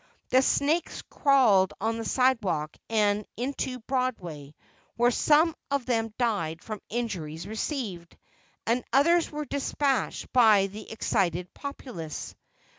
The snakes crawled on the sidewalk and into Broadway, where some of them died from injuries received, and others were despatched by the excited populace.